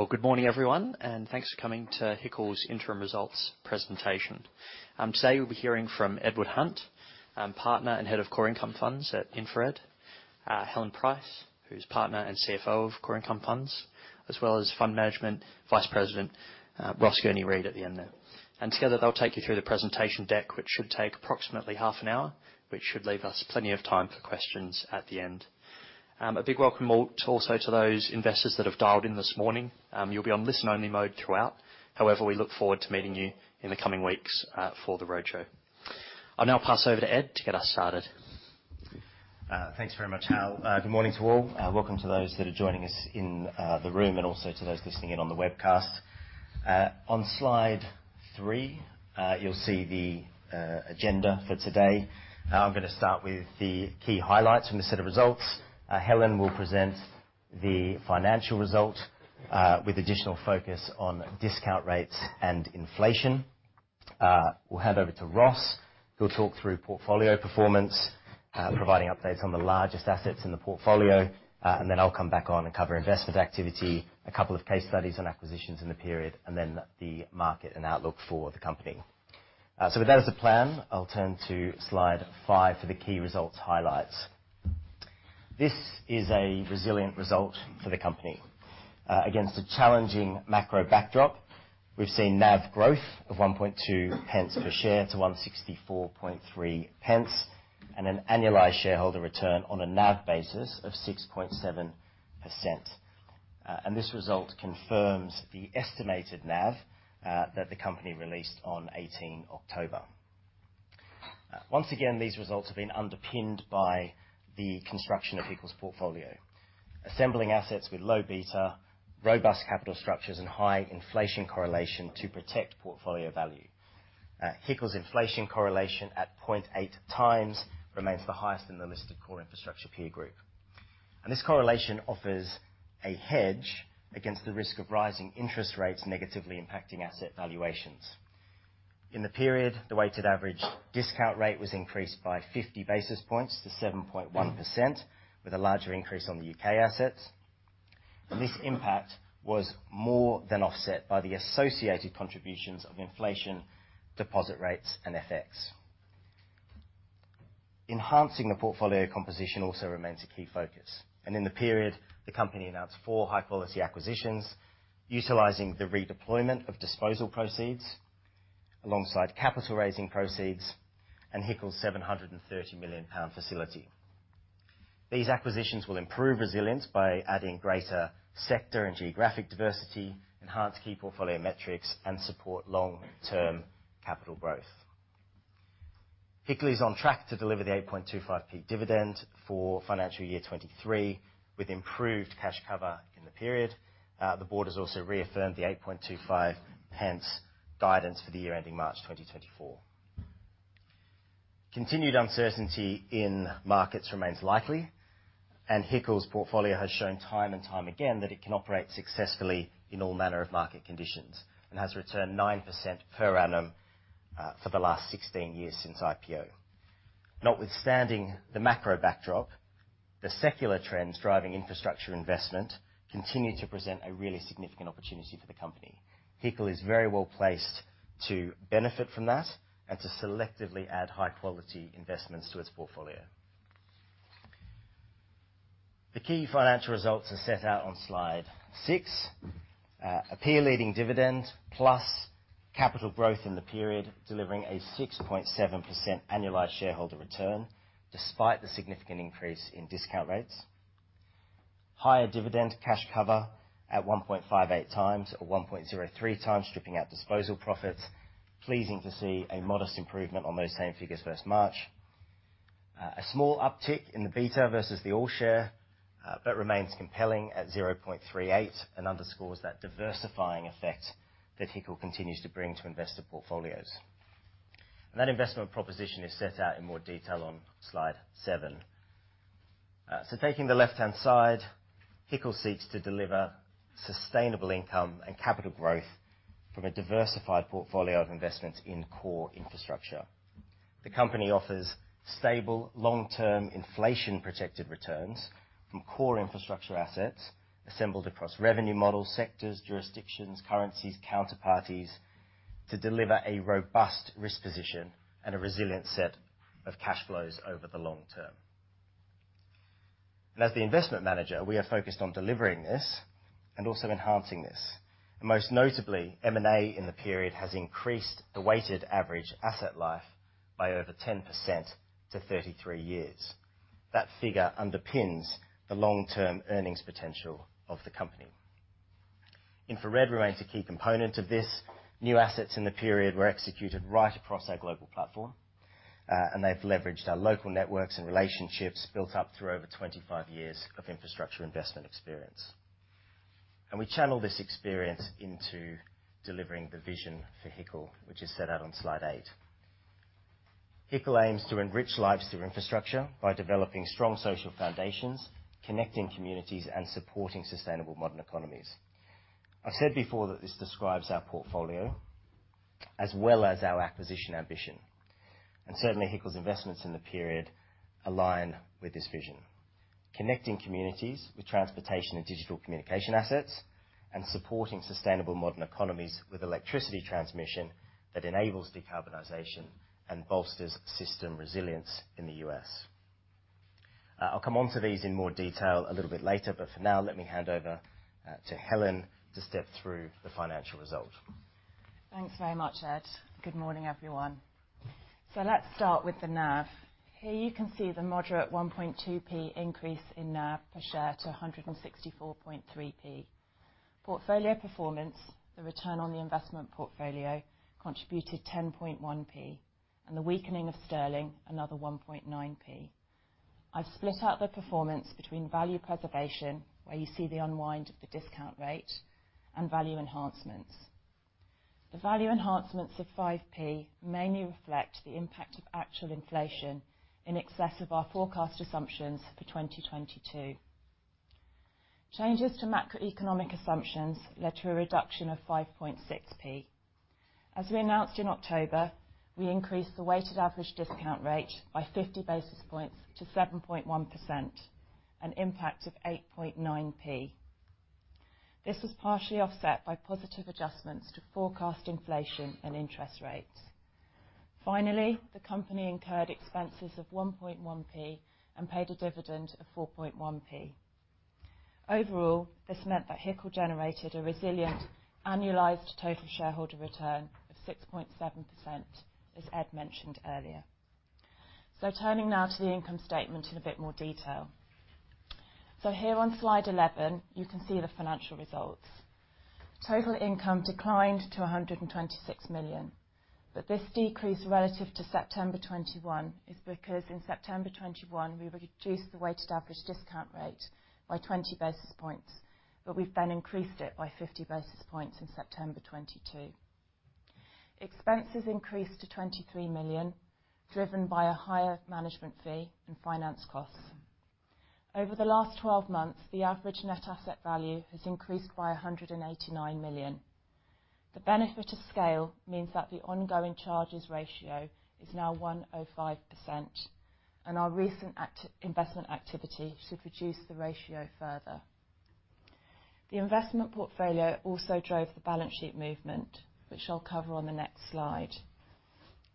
Well, good morning everyone, thanks for coming to HICL's interim results presentation. Today we'll be hearing from Edward Hunt, Partner and Head of Core Income Funds at InfraRed Capital Partners, Helen Price, who's Partner and CFO of Core Income Funds, as well as Fund Management Vice President, Ross Gurney-Read at the end there. Together, they'll take you through the presentation deck, which should take approximately half an hour, which should leave us plenty of time for questions at the end. A big welcome also to those investors that have dialed in this morning. You'll be on listen-only mode throughout. We look forward to meeting you in the coming weeks for the roadshow. I'll now pass over to Ed to get us started. Thanks very much, Hal. Good morning to all. Welcome to those that are joining us in the room, and also to those listening in on the webcast. On slide three, you'll see the agenda for today. I'm gonna start with the key highlights from the set of results. Helen will present the financial results, with additional focus on discount rates and inflation. We'll hand over to Ross, who'll talk through portfolio performance, providing updates on the largest assets in the portfolio. I'll come back on and cover investment activity, a couple of case studies and acquisitions in the period, and then the market and outlook for the company. With that as a plan, I'll turn to slide five for the key results highlights. This is a resilient result for the company. Against a challenging macro backdrop, we've seen NAV growth of 0.012 per share to 1.643, and an annualized shareholder return on a NAV basis of 6.7%. This result confirms the estimated NAV that the company released on 18 October. Once again, these results have been underpinned by the construction of HICL's portfolio. Assembling assets with low beta, robust capital structures, and high inflation correlation to protect portfolio value. HICL's inflation correlation at 0.8x remains the highest in the list of core infrastructure peer group. This correlation offers a hedge against the risk of rising interest rates negatively impacting asset valuations. In the period, the weighted average discount rate was increased by 50 basis points to 7.1%, with a larger increase on the U.K. Assets. This impact was more than offset by the associated contributions of inflation deposit rates and FX. Enhancing the portfolio composition also remains a key focus. In the period, the company announced four high-quality acquisitions utilizing the redeployment of disposal proceeds alongside capital raising proceeds and HICL's 730 million pound facility. These acquisitions will improve resilience by adding greater sector and geographic diversity, enhance key portfolio metrics, and support long-term capital growth. HICL is on track to deliver the 0.0825 dividend for financial year 2023, with improved cash cover in the period. The board has also reaffirmed the 0.0825 guidance for the year ending March 2024. Continued uncertainty in markets remains likely, HICL's portfolio has shown time and time again that it can operate successfully in all manner of market conditions, has returned 9% per annum for the last 16 years since IPO. Notwithstanding the macro backdrop, the secular trends driving infrastructure investment continue to present a really significant opportunity for the company. HICL is very well placed to benefit from that and to selectively add high-quality investments to its portfolio. The key financial results are set out on slide six. A peer-leading dividend plus capital growth in the period, delivering a 6.7% annualized shareholder return, despite the significant increase in discount rates. Higher dividend cash cover at 1.58x, or 1.03x stripping out disposal profits. Pleasing to see a modest improvement on those same figures 1st March. A small uptick in the beta versus the all share, but remains compelling at 0.38 and underscores that diversifying effect that HICL continues to bring to investor portfolios. That investment proposition is set out in more detail on slide seven. So taking the left-hand side, HICL seeks to deliver sustainable income and capital growth from a diversified portfolio of investments in core infrastructure. The company offers stable, long-term inflation-protected returns from core infrastructure assets assembled across revenue models, sectors, jurisdictions, currencies, counterparties to deliver a robust risk position and a resilient set of cash flows over the long term. As the investment manager, we are focused on delivering this and also enhancing this. Most notably, M&A in the period has increased the weighted average asset life by over 10% to 33 years. That figure underpins the long-term earnings potential of the company. InfraRed remains a key component of this. New assets in the period were executed right across our global platform. They've leveraged our local networks and relationships built up through over 25 years of infrastructure investment experience. We channel this experience into delivering the vision for HICL, which is set out on slide eight. HICL aims to enrich lives through infrastructure by developing strong social foundations, connecting communities, and supporting sustainable modern economies. I've said before that this describes our portfolio as well as our acquisition ambition. Certainly, HICL's investments in the period align with this vision. Connecting communities with transportation and digital communication assets, and supporting sustainable modern economies with electricity transmission that enables decarbonization and bolsters system resilience in the U.S. I'll come onto these in more detail a little bit later, but for now, let me hand over to Helen to step through the financial result. Thanks very much, Ed. Good morning, everyone. Let's start with the NAV. Here you can see the moderate 0.012 increase in NAV per share to 1.643. Portfolio performance, the return on the investment portfolio, contributed 0.101, and the weakening of sterling, another 0.019. I've split out the performance between value preservation, where you see the unwind of the discount rate, and value enhancements. The value enhancements of 0.05 mainly reflect the impact of actual inflation in excess of our forecast assumptions for 2022. Changes to macroeconomic assumptions led to a reduction of 0.056. As we announced in October, we increased the weighted average discount rate by 50 basis points to 7.1%, an impact of 0.089. This was partially offset by positive adjustments to forecast inflation and interest rates. Finally, the company incurred expenses of 0.011 and paid a dividend of 0.041. Overall, this meant that HICL generated a resilient annualized total shareholder return of 6.7%, as Ed mentioned earlier. Turning now to the income statement in a bit more detail. Here on slide 11, you can see the financial results. Total income declined to 126 million, but this decrease relative to September 2021 is because in September 2021, we reduced the weighted average discount rate by 20 basis points, but we've then increased it by 50 basis points in September 2022. Expenses increased to 23 million, driven by a higher management fee and finance costs. Over the last 12 months, the average net asset value has increased by 189 million. The benefit of scale means that the ongoing charges ratio is now 1.05%, and our recent investment activity should reduce the ratio further. The investment portfolio also drove the balance sheet movement, which I'll cover on the next slide.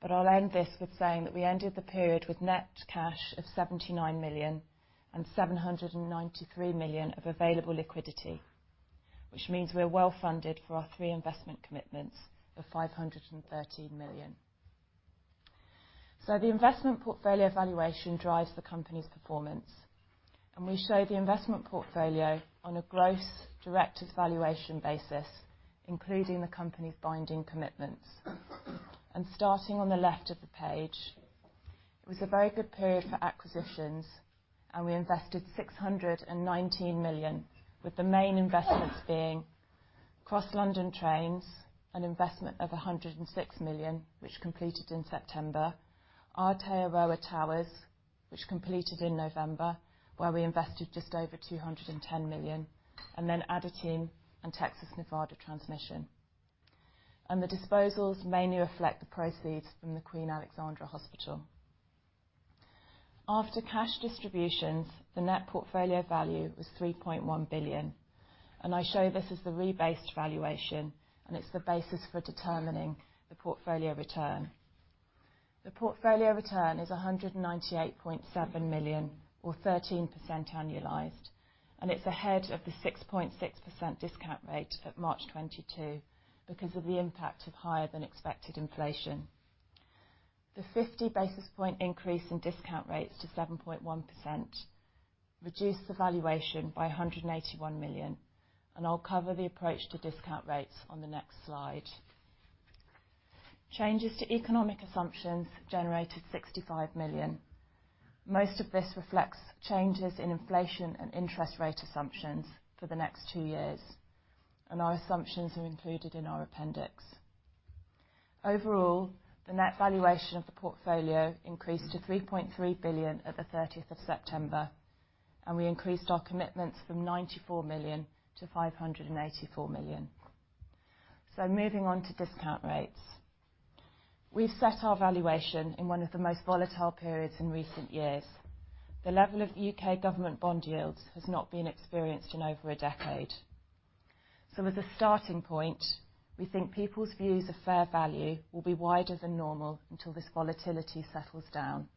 I'll end this with saying that we ended the period with net cash of 79 million and 793 million of available liquidity, which means we're well funded for our three investment commitments of 513 million. The investment portfolio valuation drives the company's performance, and we show the investment portfolio on a gross direct valuation basis, including the company's binding commitments. Starting on the left of the page, it was a very good period for acquisitions, and we invested 619 million, with the main investments being Cross London Trains, an investment of 106 million, which completed in September. Aotearoa Towers, which completed in November, where we invested just over 210 million, and then ADTIM and Texas Nevada Transmission. The disposals mainly reflect the proceeds from the Queen Alexandra Hospital. After cash distributions, the net portfolio value was 3.1 billion. I show this as the rebased valuation, and it's the basis for determining the portfolio return. The portfolio return is 198.7 million or 13% annualized, and it's ahead of the 6.6% discount rate at March 2022 because of the impact of higher than expected inflation. The 50 basis point increase in discount rates to 7.1% reduced the valuation by 181 million, I'll cover the approach to discount rates on the next slide. Changes to economic assumptions generated 65 million. Most of this reflects changes in inflation and interest rate assumptions for the next two years, our assumptions are included in our appendix. Overall, the net valuation of the portfolio increased to 3.3 billion at the 30th of September, we increased our commitments from 94 million to 584 million. Moving on to discount rates. We've set our valuation in one of the most volatile periods in recent years. The level of U.K. government bond yields has not been experienced in over a decade. As a starting point, we think people's views of fair value will be wider than normal until this volatility settles down.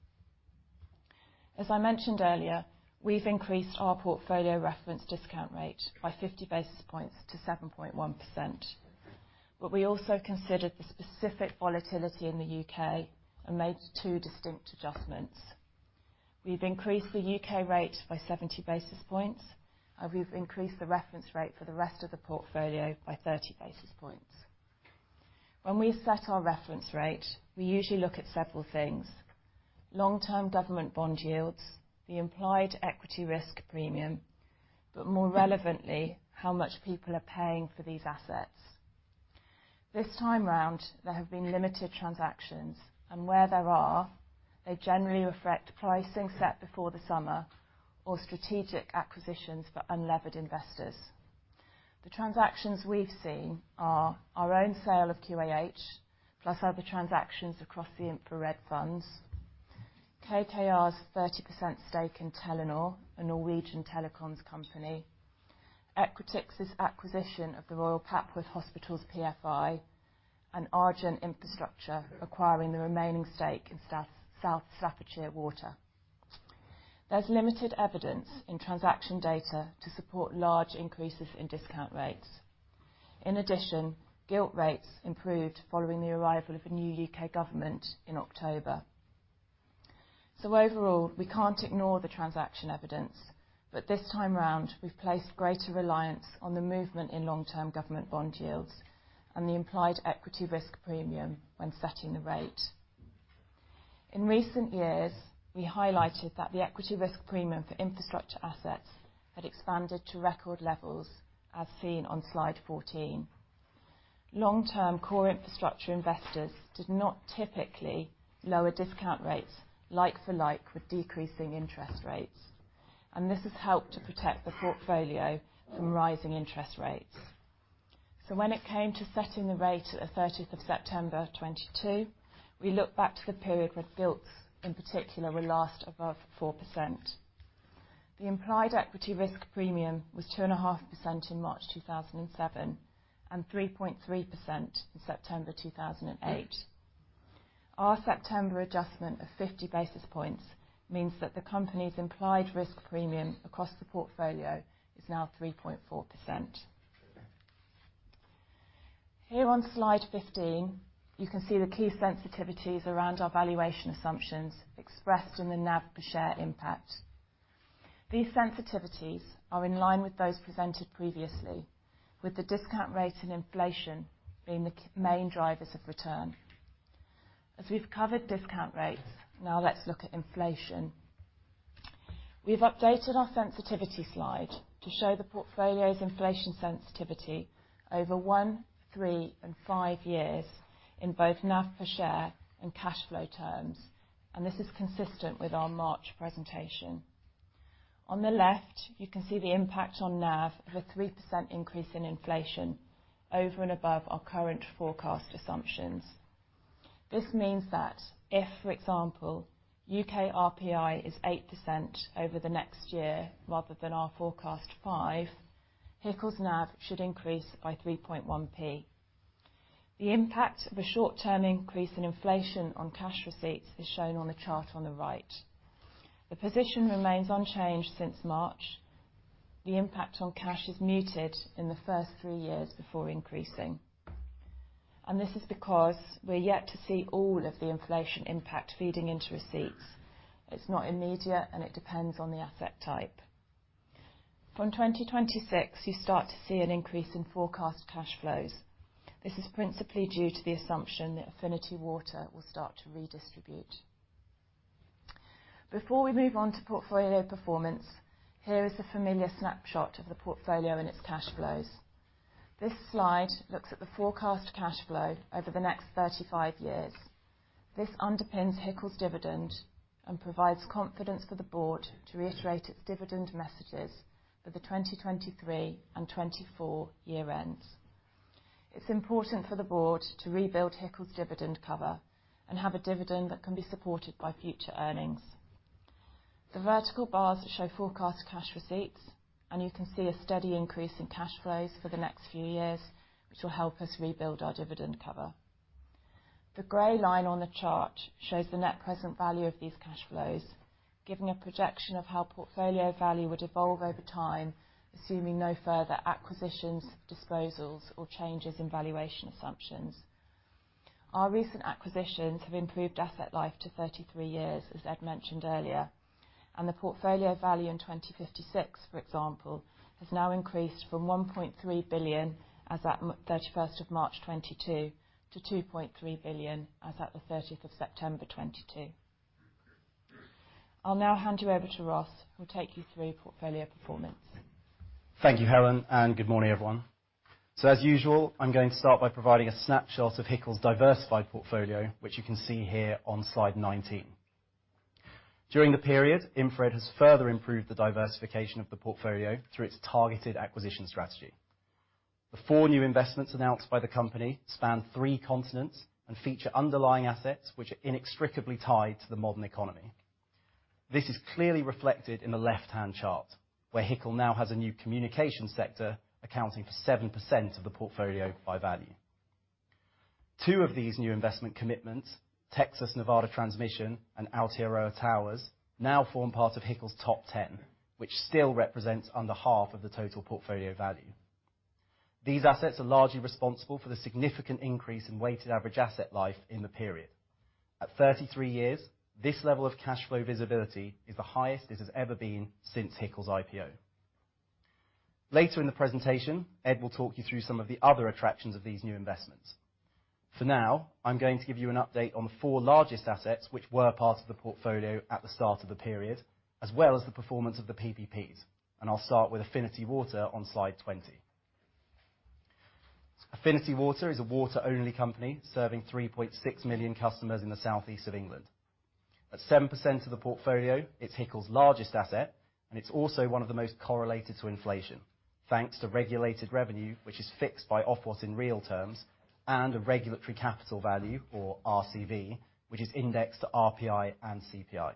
As I mentioned earlier, we've increased our portfolio reference discount rate by 50 basis points to 7.1%. We also considered the specific volatility in the U.K. and made two distinct adjustments. We've increased the U.K. rate by 70 basis points, and we've increased the reference rate for the rest of the portfolio by 30 basis points. When we set our reference rate, we usually look at several things. Long-term government bond yields, the implied equity risk premium, but more relevantly, how much people are paying for these assets. This time around, there have been limited transactions, and where there are. They generally reflect pricing set before the summer or strategic acquisitions for unlevered investors. The transactions we've seen are our own sale of QAH, plus other transactions across the InfraRed funds, KKR's 30% stake in Telenor, a Norwegian telecoms company, Equitix's acquisition of the Royal Papworth Hospitals PFI, and Arjun Infrastructure acquiring the remaining stake in South Staffordshire Water. There's limited evidence in transaction data to support large increases in discount rates. In addition, gilt rates improved following the arrival of a new U.K. government in October. Overall, we can't ignore the transaction evidence, but this time around, we've placed greater reliance on the movement in long-term government bond yields and the implied equity risk premium when setting the rate. In recent years, we highlighted that the equity risk premium for infrastructure assets had expanded to record levels as seen on slide 14. Long-term core infrastructure investors did not typically lower discount rates like for like with decreasing interest rates, and this has helped to protect the portfolio from rising interest rates. When it came to setting the rate at the 30th of September 2022, we look back to the period where gilts, in particular, were last above 4%. The implied equity risk premium was 2.5% in March 2007, and 3.3% in September 2008. Our September adjustment of 50 basis points means that the company's implied risk premium across the portfolio is now 3.4%. Here on slide 15, you can see the key sensitivities around our valuation assumptions expressed in the NAV per share impact. These sensitivities are in line with those presented previously, with the discount rate and inflation being the main drivers of return. We've covered discount rates, now let's look at inflation. We've updated our sensitivity slide to show the portfolio's inflation sensitivity over one, three, and five years in both NAV per share and cash flow terms. This is consistent with our March presentation. On the left, you can see the impact on NAV with a 3% increase in inflation over and above our current forecast assumptions. This means that if, for example, U.K. RPI is 8% over the next year rather than our forecast 5%, HICL's NAV should increase by 0.031. The impact of a short-term increase in inflation on cash receipts is shown on the chart on the right. The position remains unchanged since March. The impact on cash is muted in the first three years before increasing. This is because we're yet to see all of the inflation impact feeding into receipts. It's not immediate. It depends on the asset type. From 2026, you start to see an increase in forecast cash flows. This is principally due to the assumption that Affinity Water will start to redistribute. Before we move on to portfolio performance, here is a familiar snapshot of the portfolio and its cash flows. This slide looks at the forecast cash flow over the next 35 years. This underpins HICL's dividend and provides confidence for the board to reiterate its dividend messages for the 2023 and 2024 year ends. It's important for the board to rebuild HICL's dividend cover and have a dividend that can be supported by future earnings. The vertical bars show forecast cash receipts. You can see a steady increase in cash flows for the next few years, which will help us rebuild our dividend cover. The gray line on the chart shows the net present value of these cash flows, giving a projection of how portfolio value would evolve over time, assuming no further acquisitions, disposals, or changes in valuation assumptions. Our recent acquisitions have improved asset life to 33 years, as Ed mentioned earlier. The portfolio value in 2056, for example, has now increased from 1.3 billion as at 31st of March 2022 to 2.3 billion as at the 30th of September 2022. I'll now hand you over to Ross, who'll take you through portfolio performance. Thank you, Helen, and good morning, everyone. As usual, I'm going to start by providing a snapshot of HICL's diversified portfolio, which you can see here on slide 19. During the period, InfraRed has further improved the diversification of the portfolio through its targeted acquisition strategy. The four new investments announced by the company span three continents and feature underlying assets which are inextricably tied to the modern economy. This is clearly reflected in the left-hand chart, where HICL now has a new communication sector accounting for 7% of the portfolio by value. Two of these new investment commitments, Texas Nevada Transmission and Aotearoa Towers, now form part of HICL's top 10, which still represents under half of the total portfolio value. These assets are largely responsible for the significant increase in weighted average asset life in the period. At 33 years, this level of cash flow visibility is the highest this has ever been since HICL's IPO. Later in the presentation, Ed will talk you through some of the other attractions of these new investments. For now, I'm going to give you an update on the four largest assets which were part of the portfolio at the start of the period, as well as the performance of the PPPs, and I'll start with Affinity Water on slide 20. Affinity Water is a water-only company serving 3.6 million customers in the southeast of England. At 7% of the portfolio, it's HICL's largest asset, and it's also one of the most correlated to inflation thanks to regulated revenue, which is fixed by Ofwat in real terms, and a regulatory capital value, or RCV, which is indexed to RPI and CPI.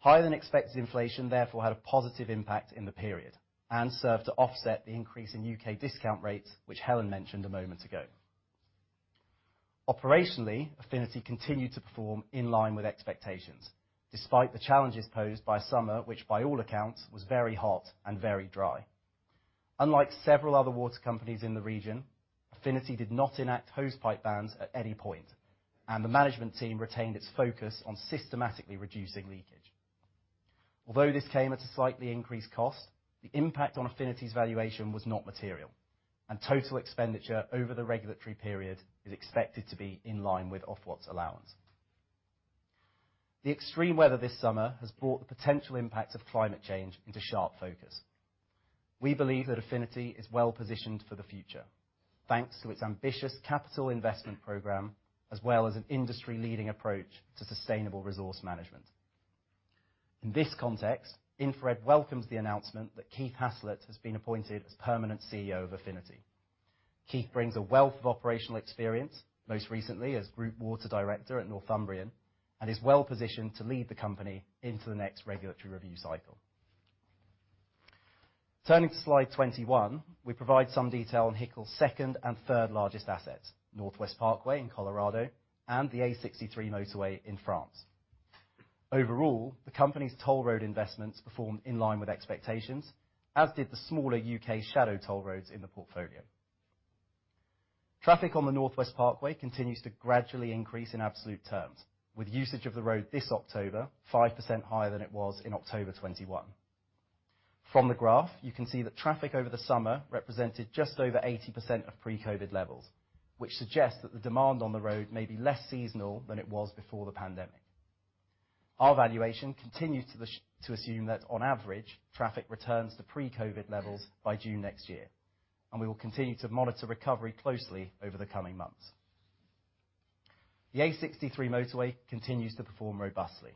Higher than expected inflation therefore had a positive impact in the period and served to offset the increase in U.K. discount rates, which Helen mentioned a moment ago. Operationally, Affinity continued to perform in line with expectations despite the challenges posed by summer, which by all accounts was very hot and very dry. Unlike several other water companies in the region, Affinity did not enact hose pipe bans at any point, and the management team retained its focus on systematically reducing leakage. Although this came at a slightly increased cost, the impact on Affinity's valuation was not material, and total expenditure over the regulatory period is expected to be in line with Ofwat's allowance. The extreme weather this summer has brought the potential impact of climate change into sharp focus. We believe that Affinity is well-positioned for the future, thanks to its ambitious capital investment program, as well as an industry-leading approach to sustainable resource management. In this context, InfraRed welcomes the announcement that Keith Haslett has been appointed as permanent CEO of Affinity. Keith brings a wealth of operational experience, most recently as group water director at Northumbrian, and is well-positioned to lead the company into the next regulatory review cycle. Turning to slide 21, we provide some detail on HICL's second and third largest assets, Northwest Parkway in Colorado and the A63 Motorway in France. Overall, the company's toll road investments performed in line with expectations, as did the smaller U.K. shadow toll roads in the portfolio. Traffic on the Northwest Parkway continues to gradually increase in absolute terms, with usage of the road this October 5% higher than it was in October 2021. From the graph, you can see that traffic over the summer represented just over 80% of pre-COVID levels, which suggests that the demand on the road may be less seasonal than it was before the pandemic. Our valuation continues to assume that on average, traffic returns to pre-COVID levels by June next year. We will continue to monitor recovery closely over the coming months. The A63 Motorway continues to perform robustly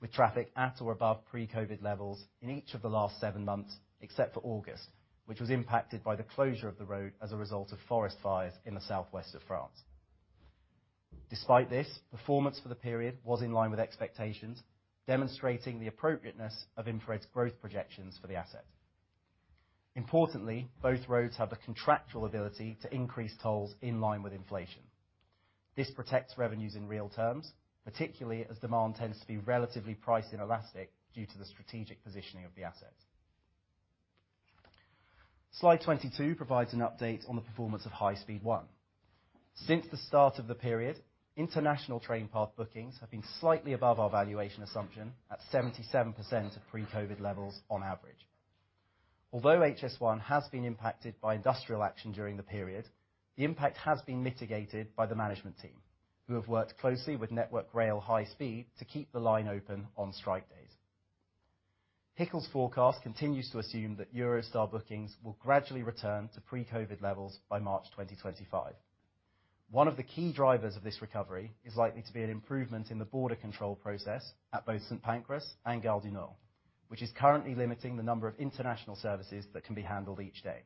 with traffic at or above pre-COVID levels in each of the last seven months, except for August, which was impacted by the closure of the road as a result of forest fires in the southwest of France. Despite this, performance for the period was in line with expectations, demonstrating the appropriateness of InfraRed's growth projections for the asset. Importantly, both roads have the contractual ability to increase tolls in line with inflation. This protects revenues in real terms, particularly as demand tends to be relatively price inelastic due to the strategic positioning of the assets. Slide 22 provides an update on the performance of High Speed 1. Since the start of the period, international train path bookings have been slightly above our valuation assumption at 77% of pre-COVID levels on average. Although HS1 has been impacted by industrial action during the period, the impact has been mitigated by the management team who have worked closely with Network Rail High Speed to keep the line open on strike days. HICL's forecast continues to assume that Eurostar bookings will gradually return to pre-COVID levels by March 2025. One of the key drivers of this recovery is likely to be an improvement in the border control process at both St. Pancras and Gare du Nord, which is currently limiting the number of international services that can be handled each day.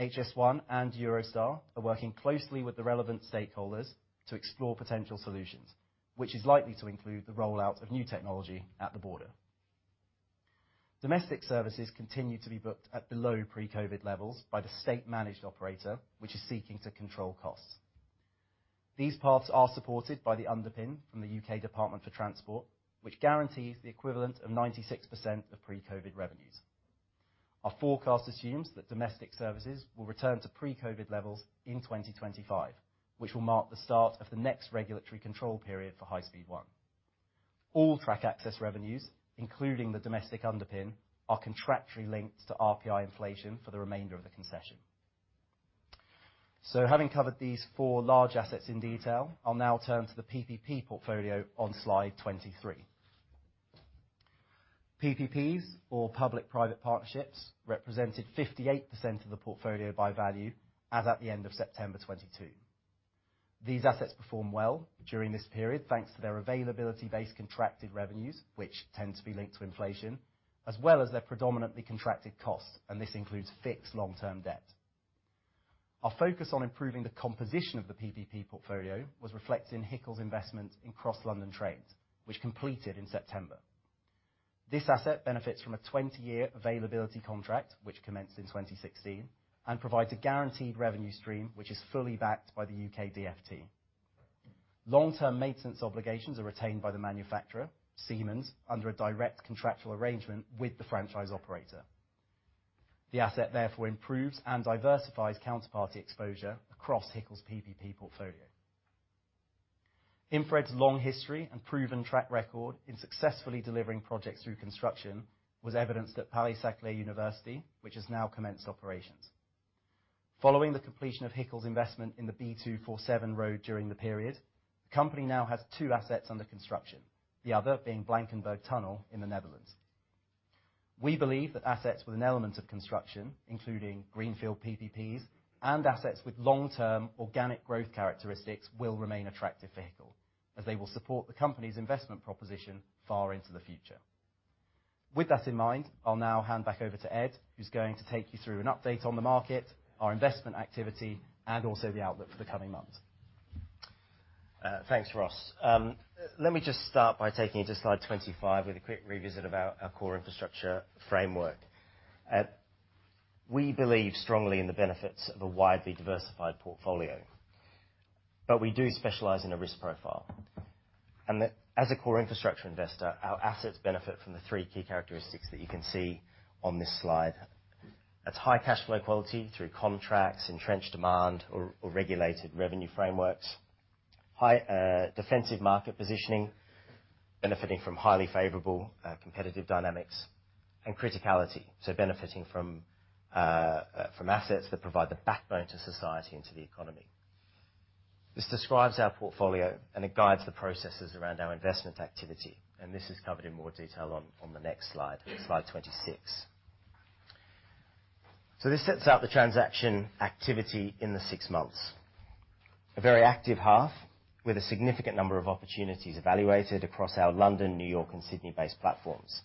HS1 and Eurostar are working closely with the relevant stakeholders to explore potential solutions, which is likely to include the rollout of new technology at the border. Domestic services continue to be booked at below pre-COVID levels by the state-managed operator, which is seeking to control costs. These paths are supported by the underpin from the U.K. Department for Transport, which guarantees the equivalent of 96% of pre-COVID revenues. Our forecast assumes that domestic services will return to pre-COVID levels in 2025, which will mark the start of the next regulatory control period for High Speed 1. All track access revenues, including the domestic underpin, are contractually linked to RPI inflation for the remainder of the concession. Having covered these four large assets in detail, I'll now turn to the PPP portfolio on slide 23. PPPs or public-private partnerships represented 58% of the portfolio by value as at the end of September 2022. These assets performed well during this period, thanks to their availability-based contracted revenues, which tend to be linked to inflation, as well as their predominantly contracted costs, and this includes fixed long-term debt. Our focus on improving the composition of the PPP portfolio was reflected in HICL's investment in Cross London Trains, which completed in September. This asset benefits from a 20-year availability contract, which commenced in 2016 and provides a guaranteed revenue stream, which is fully backed by the U.K. DfT. Long-term maintenance obligations are retained by the manufacturer, Siemens, under a direct contractual arrangement with the franchise operator. The asset therefore improves and diversifies counterparty exposure across HICL's PPP portfolio. InfraRed's long history and proven track record in successfully delivering projects through construction was evidenced at Paris-Saclay University, which has now commenced operations. Following the completion of HICL's investment in the B247 road during the period, the company now has two assets under construction, the other being Blankenburg Tunnel in the Netherlands. We believe that assets with an element of construction, including greenfield PPPs and assets with long-term organic growth characteristics will remain attractive vehicle, as they will support the company's investment proposition far into the future. With that in mind, I'll now hand back over to Ed, who's going to take you through an update on the market, our investment activity, and also the outlook for the coming months. Thanks, Ross. Let me just start by taking you to slide 25 with a quick revisit about our core infrastructure framework. We believe strongly in the benefits of a widely diversified portfolio, but we do specialize in a risk profile. As a core infrastructure investor, our assets benefit from the three key characteristics that you can see on this slide. That's high cash flow quality through contracts, entrenched demand or regulated revenue frameworks. High defensive market positioning, benefiting from highly favorable competitive dynamics and criticality. Benefiting from assets that provide the backbone to society and to the economy. This describes our portfolio and it guides the processes around our investment activity, and this is covered in more detail on the next slide 26. This sets out the transaction activity in the six months. A very active half with a significant number of opportunities evaluated across our London, New York, and Sydney-based platforms.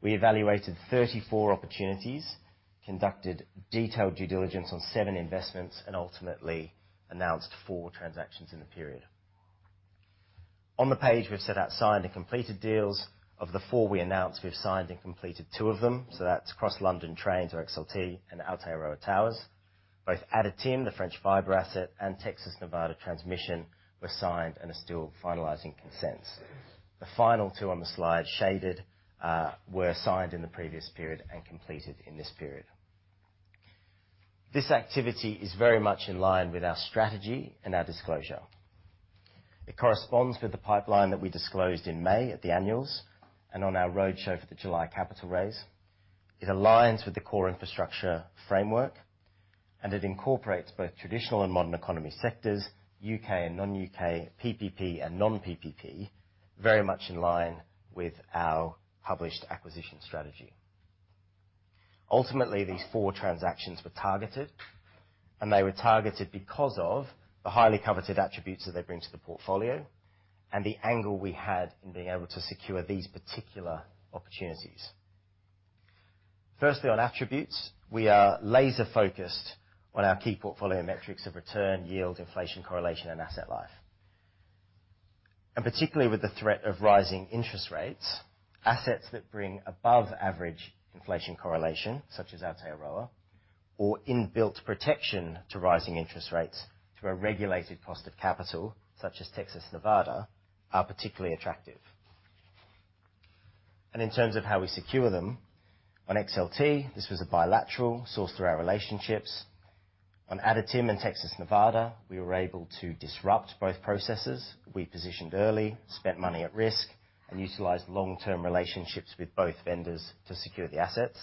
We evaluated 34 opportunities, conducted detailed due diligence on seven investments, and ultimately announced four transactions in the period. On the page, we've set out signed and completed deals. Of the four we announced, we've signed and completed two of them, so that's Cross London Trains or XLT and Aotearoa Towers. Both ADTIM, the French fiber asset, and Texas Nevada Transmission were signed and are still finalizing consents. The final two on the slide shaded were signed in the previous period and completed in this period. This activity is very much in line with our strategy and our disclosure. It corresponds with the pipeline that we disclosed in May at the annuals and on our roadshow for the July capital raise. It aligns with the core infrastructure framework, it incorporates both traditional and modern economy sectors, U.K. and non-U.K., PPP and non-PPP, very much in line with our published acquisition strategy. Ultimately, these four transactions were targeted, and they were targeted because of the highly coveted attributes that they bring to the portfolio and the angle we had in being able to secure these particular opportunities. Firstly, on attributes, we are laser-focused on our key portfolio metrics of return, yield, inflation correlation, and asset life. Particularly with the threat of rising interest rates, assets that bring above average inflation correlation, such as Aotearoa Towers, or inbuilt protection to rising interest rates through a regulated cost of capital, such as Texas Nevada, are particularly attractive. In terms of how we secure them, on XLT, this was a bilateral sourced through our relationships. On ADTIM and Texas Nevada, we were able to disrupt both processes. We positioned early, spent money at risk, and utilized long-term relationships with both vendors to secure the assets.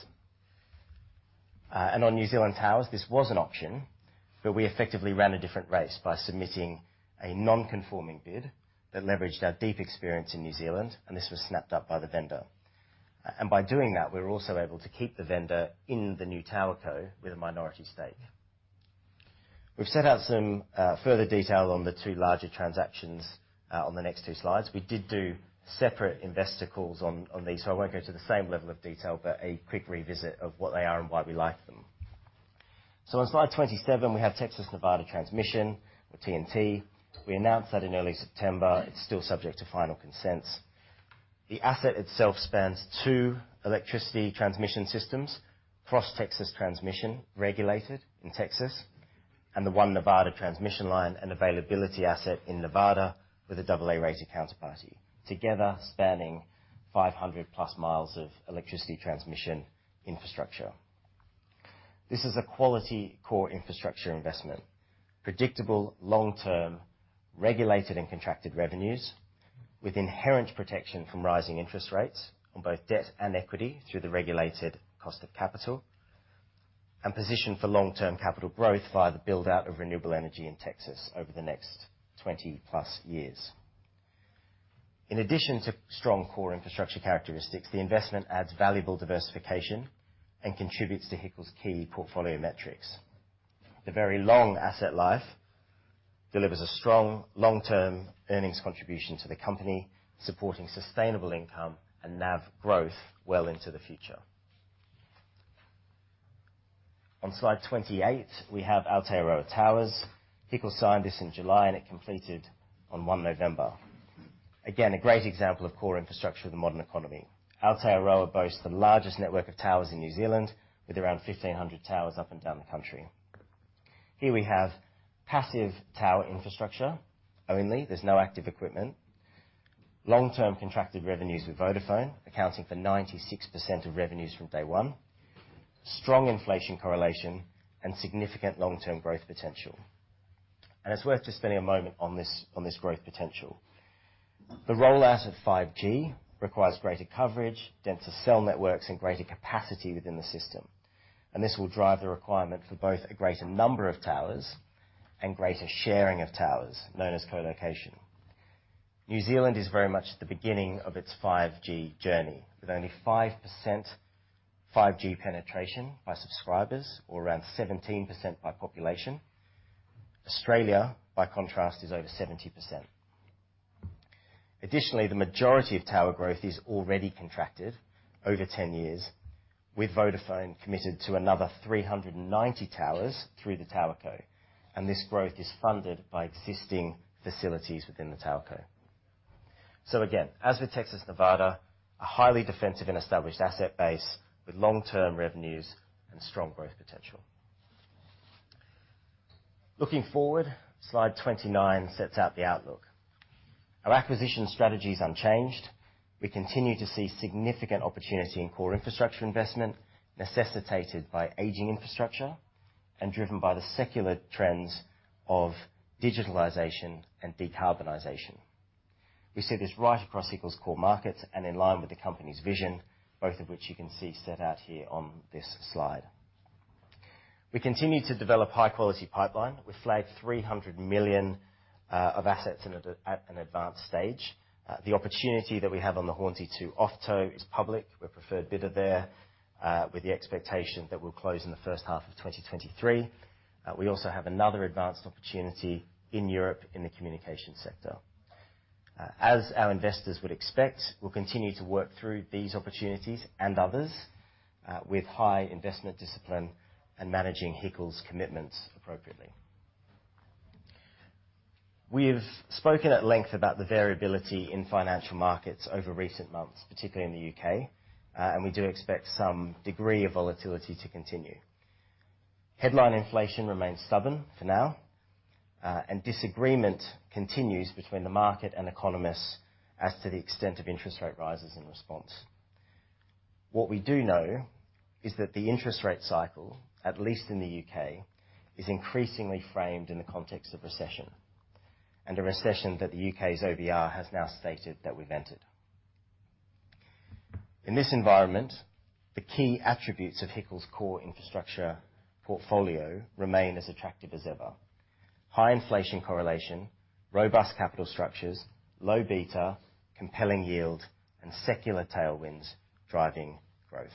On New Zealand Towers, this was an option, but we effectively ran a different race by submitting a non-conforming bid that leveraged our deep experience in New Zealand, and this was snapped up by the vendor. By doing that, we were also able to keep the vendor in the new tower co with a minority stake. We've set out some further detail on the two larger transactions on the next two slides. We did do separate investor calls on these, so I won't go to the same level of detail, but a quick revisit of what they are and why we like them. On slide 27, we have Texas Nevada Transmission or TNT. We announced that in early September. It's still subject to final consents. The asset itself spans two electricity transmission systems, Cross Texas Transmission, regulated in Texas, and the One Nevada Transmission Line and availability asset in Nevada with a double A-rated counterparty, together spanning 500+ mi of electricity transmission infrastructure. This is a quality core infrastructure investment. Predictable, long-term, regulated and contracted revenues with inherent protection from rising interest rates on both debt and equity through the regulated cost of capital, and positioned for long-term capital growth via the build-out of renewable energy in Texas over the next 20+ years. In addition to strong core infrastructure characteristics, the investment adds valuable diversification and contributes to HICL's key portfolio metrics. The very long asset life delivers a strong long-term earnings contribution to the company, supporting sustainable income and NAV growth well into the future. On slide 28, we have Aotearoa Towers. HICL signed this in July, and it completed on 1 November. A great example of core infrastructure of the modern economy. Aotearoa Towers boasts the largest network of towers in New Zealand with around 1,500 towers up and down the country. Here we have passive tower infrastructure only. There's no active equipment. Long-term contracted revenues with Vodafone, accounting for 96% of revenues from day one. Strong inflation correlation and significant long-term growth potential. It's worth just spending a moment on this, on this growth potential. The rollout of 5G requires greater coverage, denser cell networks, and greater capacity within the system. This will drive the requirement for both a greater number of towers and greater sharing of towers, known as colocation. New Zealand is very much at the beginning of its 5G journey, with only 5% 5G penetration by subscribers, or around 17% by population. Australia, by contrast, is over 70%. Additionally, the majority of tower growth is already contracted over 10 years, with Vodafone committed to another 390 towers through the TowerCo, and this growth is funded by existing facilities within the TowerCo. Again, as with Texas Nevada, a highly defensive and established asset base with long-term revenues and strong growth potential. Looking forward, slide 29 sets out the outlook. Our acquisition strategy's unchanged. We continue to see significant opportunity in core infrastructure investment necessitated by aging infrastructure and driven by the secular trends of digitalization and decarbonization. We see this right across HICL's core markets and in line with the company's vision, both of which you can see set out here on this slide. We continue to develop high-quality pipeline. We flagged 300 million of assets at an advanced stage. The opportunity that we have on the Hornsea II OFTO is public. We're preferred bidder there with the expectation that we'll close in the first half of 2023. We also have another advanced opportunity in Europe in the communication sector. As our investors would expect, we'll continue to work through these opportunities and others with high investment discipline and managing HICL's commitments appropriately. We've spoken at length about the variability in financial markets over recent months, particularly in the U.K., and we do expect some degree of volatility to continue. Headline inflation remains stubborn for now, and disagreement continues between the market and economists as to the extent of interest rate rises in response. What we do know is that the interest rate cycle, at least in the U.K., is increasingly framed in the context of recession, and a recession that the U.K.'s OBR has now stated that we've entered. In this environment, the key attributes of HICL's core infrastructure portfolio remain as attractive as ever. High inflation correlation, robust capital structures, low beta, compelling yield, and secular tailwinds driving growth.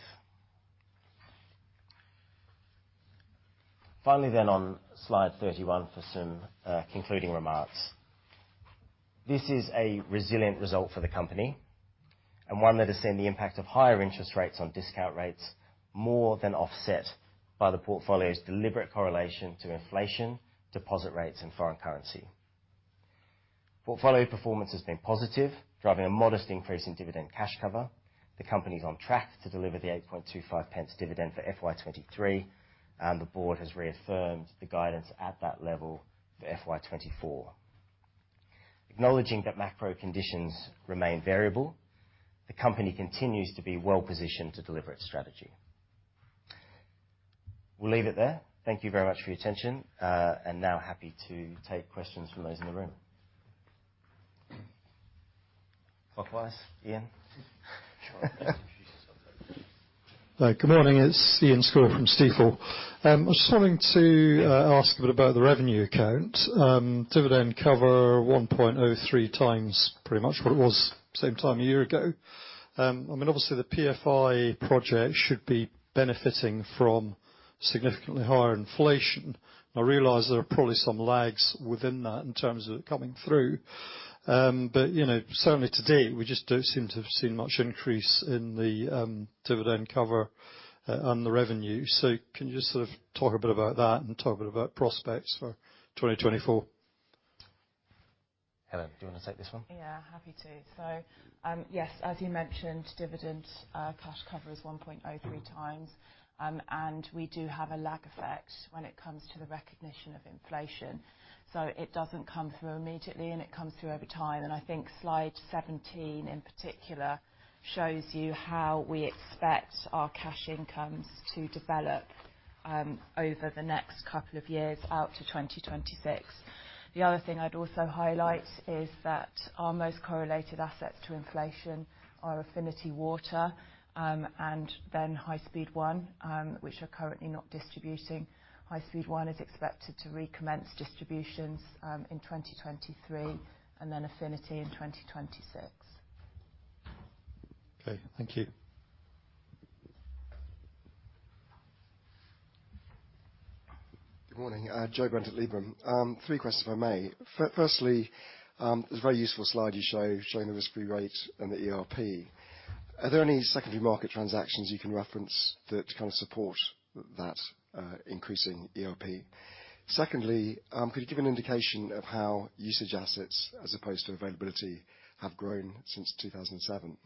On slide 31 for some concluding remarks. This is a resilient result for the company, and one that has seen the impact of higher interest rates on discount rates more than offset by the portfolio's deliberate correlation to inflation, deposit rates, and foreign currency. Portfolio performance has been positive, driving a modest increase in dividend cash cover. The company's on track to deliver the 0.0825 dividend for FY 2023, and the board has reaffirmed the guidance at that level for FY 2024. Acknowledging that macro conditions remain variable, the company continues to be well-positioned to deliver its strategy. We'll leave it there. Thank you very much for your attention. Now happy to take questions from those in the room. Clockwise, Iain. Sure. Introduce yourself. Good morning. It's Iain Scouller from Stifel. I was wanting to ask a bit about the revenue account. Dividend cover 1.03x pretty much what it was same time a year ago. I mean, obviously the PFI project should be benefiting from significantly higher inflation. I realize there are probably some lags within that in terms of it coming through. You know, certainly to date, we just don't seem to have seen much increase in the dividend cover on the revenue. Can you just sort of talk a bit about that and talk a bit about prospects for 2024? Helen, do you wanna take this one? Yeah, happy to. Yes, as you mentioned, dividend, cash cover is 1.03x. We do have a lag effect when it comes to the recognition of inflation, so it doesn't come through immediately, and it comes through over time. I think slide 17 in particular shows you how we expect our cash incomes to develop over the next couple of years out to 2026. The other thing I'd also highlight is that our most correlated assets to inflation are Affinity Water, and then High Speed 1, which are currently not distributing. High Speed 1 is expected to recommence distributions in 2023, and then Affinity in 2026. Okay. Thank you. Good morning. Joe Brent at Liberum. Three questions if I may. Firstly, it was a very useful slide you show, showing the risk-free rate and the ERP. Are there any secondary market transactions you can reference that kind of support that increasing ERP? Secondly, could you give an indication of how usage assets as opposed to availability have grown since 2007?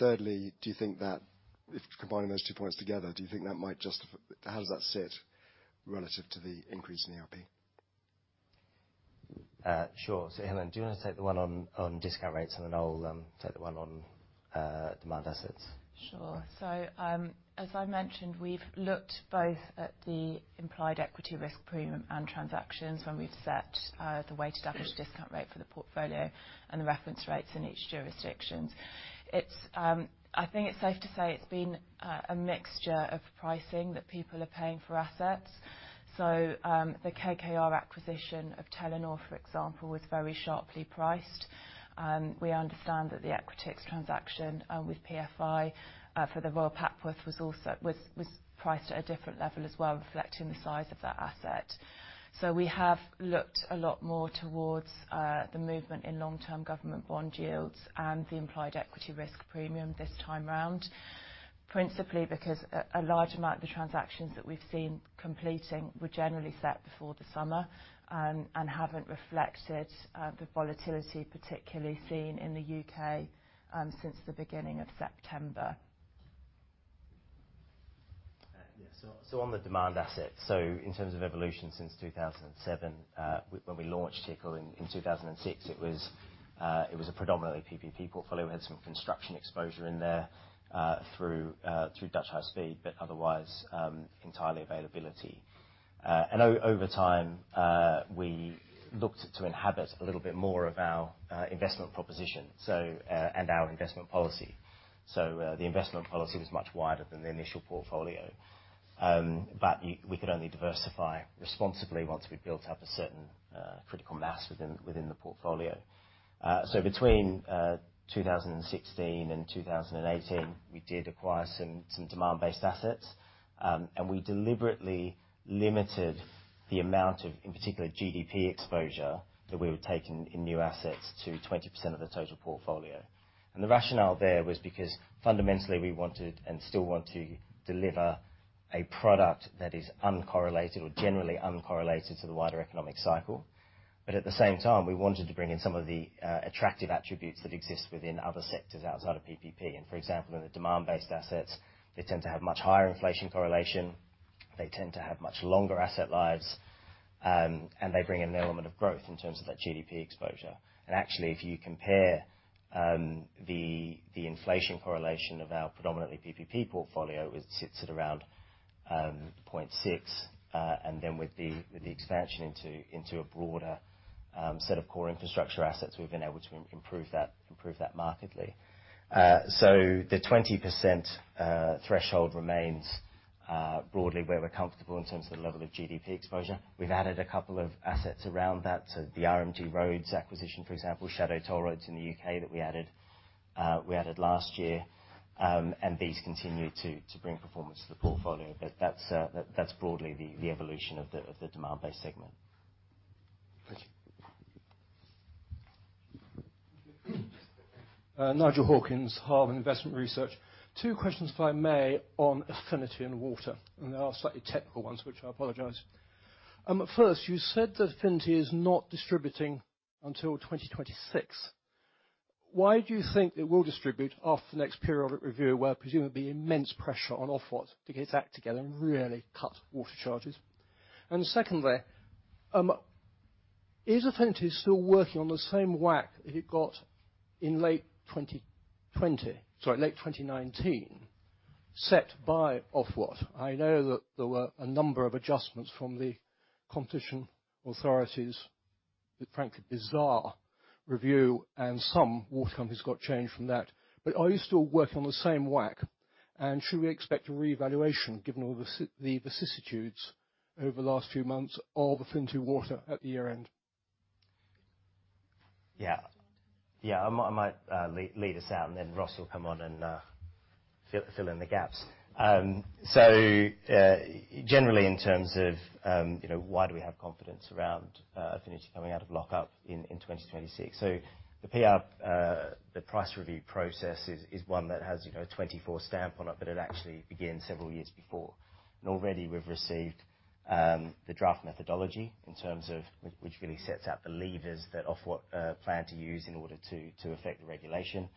Thirdly, do you think that if combining those two points together, do you think that might justify. How does that sit relative to the increase in ERP? Sure. Helen, do you wanna take the one on discount rates, and then I'll take the one on demand assets? Sure. As I mentioned, we've looked both at the implied equity risk premium and transactions when we've set the weighted average discount rate for the portfolio and the reference rates in each jurisdictions. I think it's safe to say it's been a mixture of pricing that people are paying for assets. The KKR acquisition of Telenor, for example, was very sharply priced. We understand that the Equitix transaction with PFI for the Royal Papworth was priced at a different level as well, reflecting the size of that asset. We have looked a lot more towards the movement in long-term government bond yields and the implied equity risk premium this time around. Principally because a large amount of the transactions that we've seen completing were generally set before the summer, and haven't reflected the volatility, particularly seen in the U.K., since the beginning of September. Yeah. So on the demand asset. In terms of evolution since 2007, when we launched HICL in 2006, it was a predominantly PPP portfolio. It had some construction exposure in there through Dutch High Speed, otherwise entirely availability. Over time, we looked to inhabit a little bit more of our investment proposition and our investment policy. The investment policy was much wider than the initial portfolio. We could only diversify responsibly once we built up a certain critical mass within the portfolio. Between 2016 and 2018, we did acquire some demand-based assets. We deliberately limited the amount of, in particular, GDP exposure that we were taking in new assets to 20% of the total portfolio. The rationale there was because fundamentally, we wanted and still want to deliver a product that is uncorrelated or generally uncorrelated to the wider economic cycle. At the same time, we wanted to bring in some of the attractive attributes that exist within other sectors outside of PPP. For example, in the demand-based assets, they tend to have much higher inflation correlation, they tend to have much longer asset lives, and they bring an element of growth in terms of that GDP exposure. Actually, if you compare the inflation correlation of our predominantly PPP portfolio, it sits at around 0.6. With the expansion into a broader set of core infrastructure assets, we've been able to improve that markedly. The 20% threshold remains broadly where we're comfortable in terms of the level of GDP exposure. We've added a couple of assets around that. The RMG Roads acquisition, for example, Shadow Toll Roads in the U.K. that we added last year. These continue to bring performance to the portfolio. That's broadly the evolution of the demand-based segment. Thank you. Nigel Hawkins, Hardman Investment Research. Two questions if I may on Affinity and Water. They are slightly technical ones, which I apologize. First, you said that Affinity is not distributing until 2026. Why do you think it will distribute after the next periodic review, where presumably immense pressure on Ofwat to get its act together and really cut water charges? Secondly, is Affinity still working on the same WACC that it got in late 2020? Sorry, late 2019, set by Ofwat. I know that there were a number of adjustments from the competition authorities with, frankly, bizarre review and some water companies got change from that. Are you still working on the same WACC? Should we expect a reevaluation, given all the vicissitudes over the last few months of Affinity Water at the year-end? Yeah. Yeah. I might lead us out, and then Ross will come on and fill in the gaps. Generally in terms of, you know, why do we have confidence around Affinity coming out of lockup in 2026? The PR, the price review process is one that has, you know, a 24 stamp on it, but it actually began several years before. Already we've received the draft methodology in terms of which really sets out the levers that Ofwat plan to use in order to affect the regulation.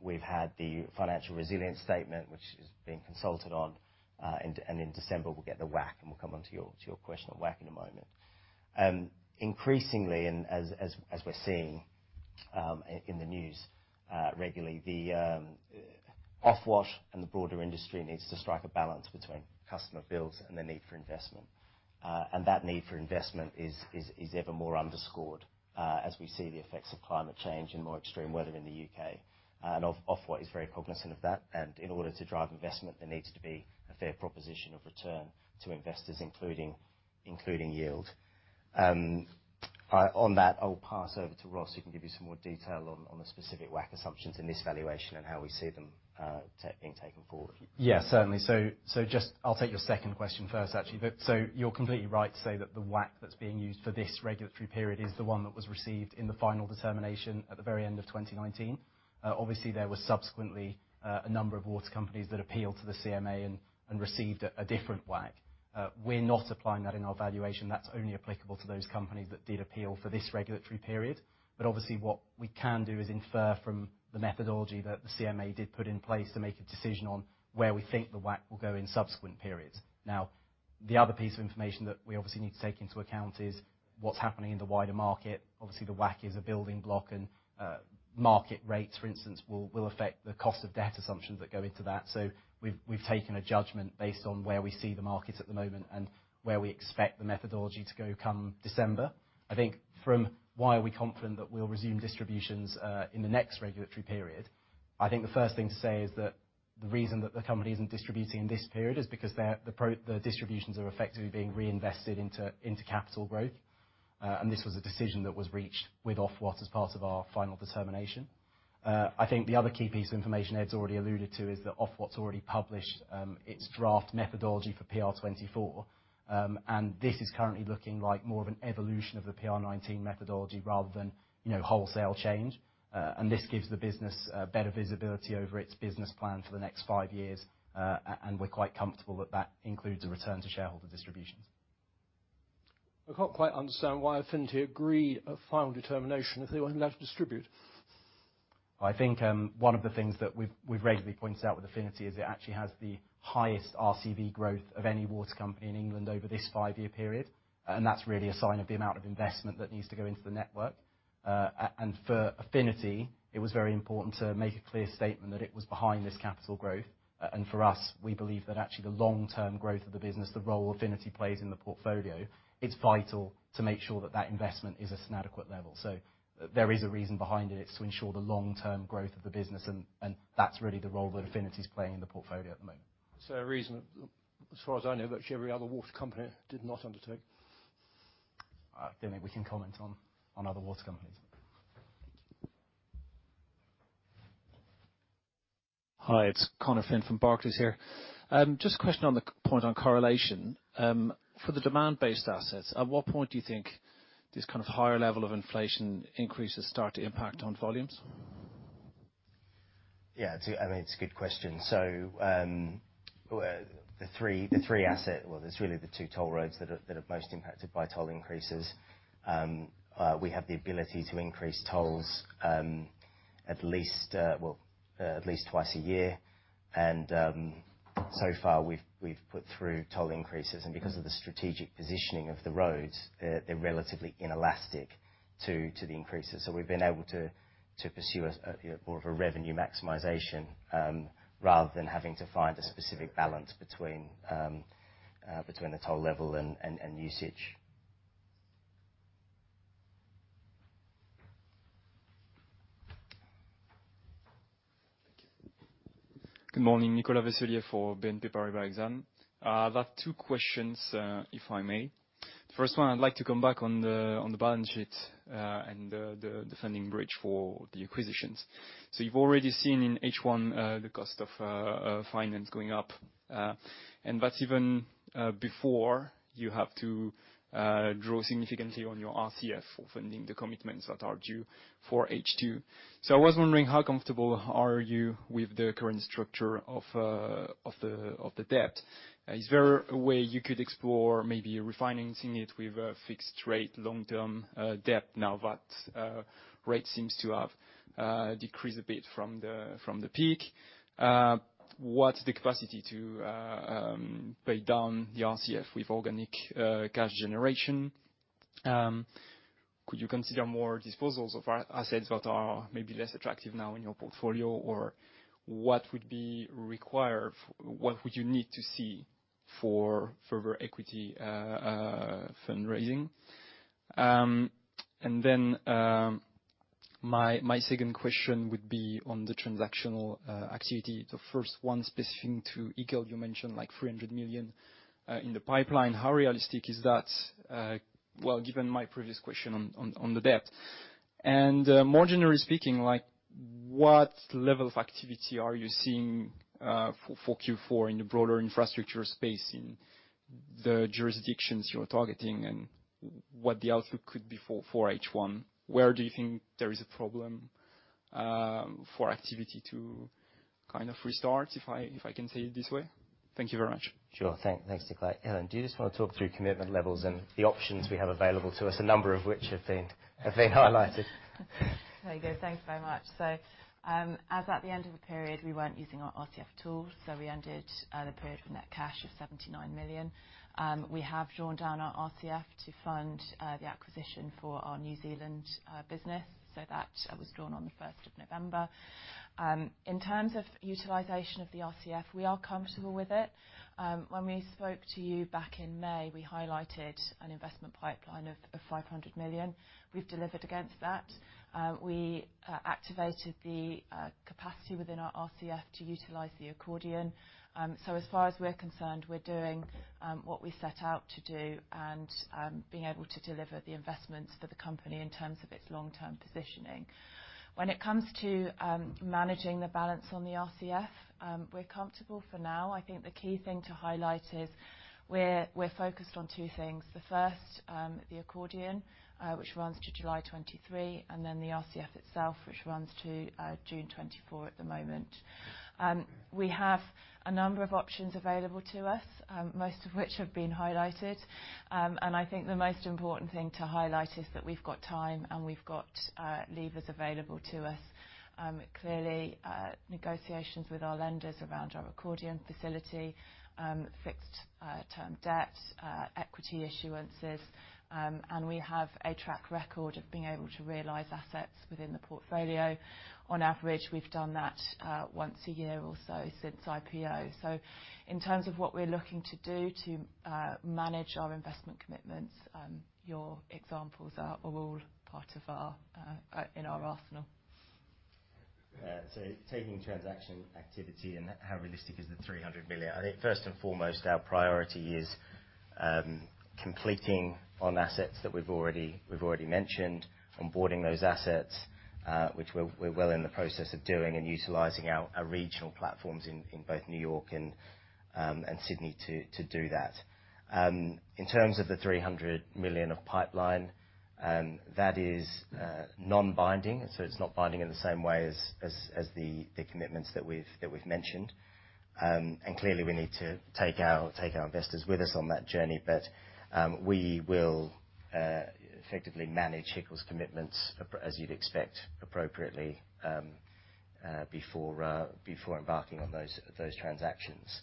We've had the financial resilience statement, which is being consulted on. In December, we'll get the WACC, and we'll come onto your question on WACC in a moment. Increasingly as we're seeing in the news regularly, Ofwat and the broader industry needs to strike a balance between customer bills and the need for investment. That need for investment is ever more underscored as we see the effects of climate change and more extreme weather in the U.K. Ofwat is very cognizant of that. In order to drive investment, there needs to be a fair proposition of return to investors, including yield. On that, I'll pass over to Ross, who can give you some more detail on the specific WACC assumptions in this valuation and how we see them being taken forward. Yeah, certainly. I'll take your second question first, actually. You're completely right to say that the WACC that's being used for this regulatory period is the one that was received in the final determination at the very end of 2019. Obviously, there was subsequently a number of water companies that appealed to the CMA and received a different WACC. We're not applying that in our valuation. That's only applicable to those companies that did appeal for this regulatory period. Obviously what we can do is infer from the methodology that the CMA did put in place to make a decision on where we think the WACC will go in subsequent periods. The other piece of information that we obviously need to take into account is what's happening in the wider market. Obviously, the WACC is a building block, and market rates, for instance, will affect the cost of debt assumptions that go into that. We've taken a judgment based on where we see the markets at the moment and where we expect the methodology to go come December. I think from why are we confident that we'll resume distributions in the next regulatory period, I think the first thing to say is that the reason that the company isn't distributing in this period is because the distributions are effectively being reinvested into capital growth. This was a decision that was reached with Ofwat as part of our final determination. I think the other key piece of information Ed's already alluded to is that Ofwat's already published its draft methodology for PR24. This is currently looking like more of an evolution of the PR19 methodology rather than, you know, wholesale change. This gives the business better visibility over its business plan for the next five years. We're quite comfortable that that includes a return to shareholder distributions. I can't quite understand why Affinity agreed a final determination if they weren't allowed to distribute. I think, one of the things that we've regularly pointed out with Affinity is it actually has the highest RCV growth of any water company in England over this five-year period, and that's really a sign of the amount of investment that needs to go into the network. For Affinity, it was very important to make a clear statement that it was behind this capital growth. For us, we believe that actually the long-term growth of the business, the role Affinity plays in the portfolio, it's vital to make sure that that investment is at an adequate level. There is a reason behind it. It's to ensure the long-term growth of the business, and that's really the role that Affinity is playing in the portfolio at the moment. A reason, as far as I know, virtually every other water company did not undertake. I don't think we can comment on other water companies. Hi, it's Conor Finn from Barclays here. Just a question on the point on correlation. For the demand-based assets, at what point do you think this kind of higher level of inflation increases start to impact on volumes? Yeah. I mean, it's a good question. Well, it's really the two toll roads that are most impacted by toll increases. We have the ability to increase tolls, at least, well, at least twice a year. So far we've put through toll increases, and because of the strategic positioning of the roads, they're relatively inelastic to the increases. We've been able to pursue a, you know, more of a revenue maximization, rather than having to find a specific balance between the toll level and usage. Good morning. Nicolas Vaysselier for BNP Paribas Exane. I've two questions, if I may. The first one, I'd like to come back on the, on the balance sheet, and the funding bridge for the acquisitions. You've already seen in H1, the cost of finance going up. Even before, you have to draw significantly on your RCF for funding the commitments that are due for H2. I was wondering, how comfortable are you with the current structure of the debt? Is there a way you could explore maybe refinancing it with a fixed rate long-term debt now that rate seems to have decreased a bit from the peak? What's the capacity to pay down the RCF with organic cash generation? Could you consider more disposals of as-assets that are maybe less attractive now in your portfolio? What would be required? What would you need to see for further equity fundraising? My second question would be on the transactional activity. The first one specific to Eagle, you mentioned, like, 300 million in the pipeline. How realistic is that, well, given my previous question on the debt? More generally speaking, like, what level of activity are you seeing for Q4 in the broader infrastructure space in the jurisdictions you're targeting, and what the outlook could be for H1? Where do you think there is a problem for activity to kind of restart, if I can say it this way? Thank you very much. Sure. Thanks, Nicolas. Helen, do you just wanna talk through commitment levels and the options we have available to us, a number of which have been highlighted? There you go. Thanks very much. As at the end of the period, we weren't using our RCF at all. We ended the period with net cash of 79 million. We have drawn down our RCF to fund the acquisition for our New Zealand business, that was drawn on the 1st of November. In terms of utilization of the RCF, we are comfortable with it. When we spoke to you back in May, we highlighted an investment pipeline of 500 million. We've delivered against that. We activated the capacity within our RCF to utilize the accordion. As far as we're concerned, we're doing what we set out to do and being able to deliver the investments for the company in terms of its long-term positioning. When it comes to managing the balance on the RCF, we're comfortable for now. I think the key thing to highlight is we're focused on two things: the first, the accordion, which runs to July 2023, and then the RCF itself, which runs to June 2024 at the moment. We have a number of options available to us, most of which have been highlighted. I think the most important thing to highlight is that we've got time and we've got levers available to us. Clearly, negotiations with our lenders around our accordion facility, fixed term debt, equity issuances, and we have a track record of being able to realize assets within the portfolio. On average, we've done that once a year or so since IPO. In terms of what we're looking to do to manage our investment commitments, your examples are all part of our in our arsenal. Taking transaction activity and how realistic is the 300 million. I think first and foremost, our priority is completing on assets that we've already mentioned, onboarding those assets, which we're well in the process of doing and utilizing our regional platforms in both New York and Sydney to do that. In terms of the 300 million of pipeline, that is non-binding. It's not binding in the same way as the commitments that we've mentioned. Clearly we need to take our investors with us on that journey. We will effectively manage HICL's commitments as you'd expect appropriately before embarking on those transactions.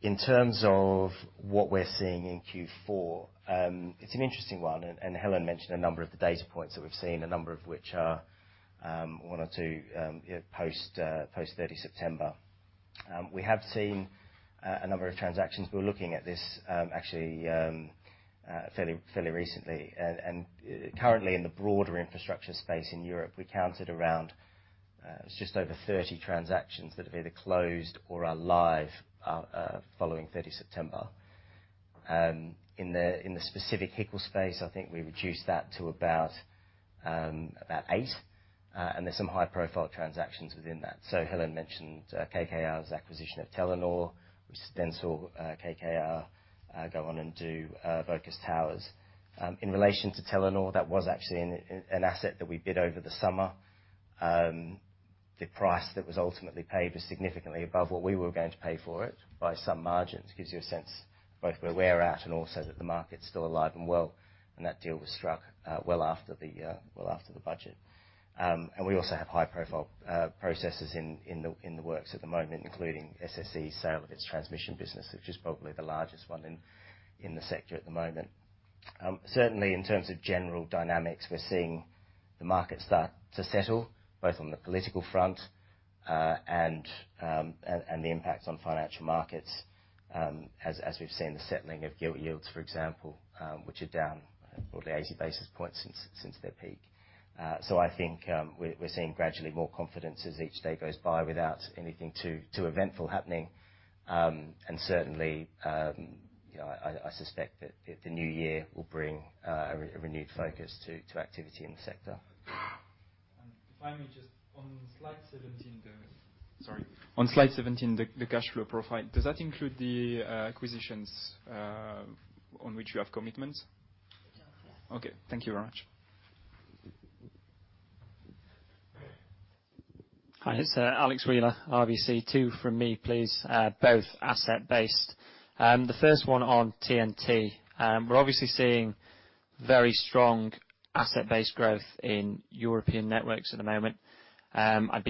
In terms of what we're seeing in Q4, it's an interesting one, and Helen mentioned a number of the data points that we've seen, a number of which are one or two post 30 September. We have seen a number of transactions. We're looking at this, actually, fairly recently, and currently in the broader infrastructure space in Europe, we counted around just over 30 transactions that have either closed or are live following 30 September. In the specific HICL space, I think we reduced that to about eight. There's some high-profile transactions within that. Helen mentioned KKR's acquisition of Telenor, which then saw KKR go on and do Pinnacle Towers. In relation to Telenor, that was actually an asset that we bid over the summer. The price that was ultimately paid was significantly above what we were going to pay for it by some margins. Gives you a sense both where we're at and also that the market's still alive and well, and that deal was struck well after the well after the budget. We also have high-profile processes in the works at the moment, including SSE's sale of its transmission business, which is probably the largest one in the sector at the moment. Certainly in terms of general dynamics, we're seeing the market start to settle both on the political front, and the impact on financial markets, as we've seen the settling of gilt yields, for example, which are down broadly 80 basis points since their peak. I think, we're seeing gradually more confidence as each day goes by without anything too eventful happening. Certainly, you know, I suspect that the new year will bring a renewed focus to activity in the sector. Finally, just on slide 17, sorry. On slide 17, the cash flow profile. Does that include the acquisitions on which you have commitments? It does, yeah. Okay. Thank you very much. Hi, it's Alex Wheeler, RBC. Two from me, please. Both asset-based. I'd be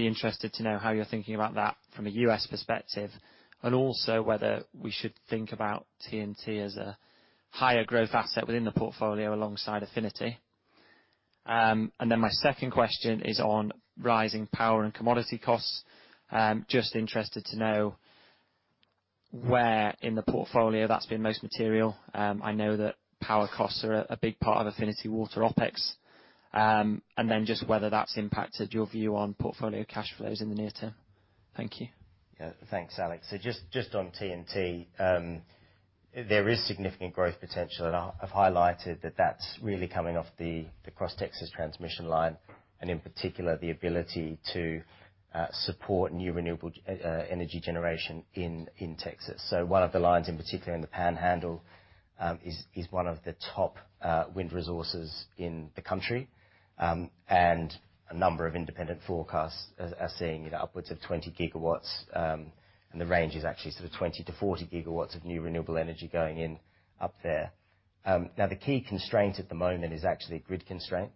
interested to know how you're thinking about that from a U.S. perspective, and also whether we should think about TNT as a higher growth asset within the portfolio alongside Affinity Water. My second question is on rising power and commodity costs. Just interested to know where in the portfolio that's been most material. I know that power costs are a big part of Affinity Water OpEx. Just whether that's impacted your view on portfolio cash flows in the near term. Thank you. Yeah. Thanks, Alex. Just on TNT, there is significant growth potential, and I've highlighted that that's really coming off the Cross Texas Transmission, and in particular, the ability to support new renewable energy generation in Texas. One of the lines in particular in the Panhandle is one of the top wind resources in the country. A number of independent forecasts are seeing upwards of 20 GW, and the range is actually sort of 20 GW-40 GW of new renewable energy going in up there. Now, the key constraint at the moment is actually grid constraint,